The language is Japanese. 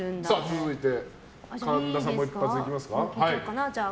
続いて神田さんも一発いきますか。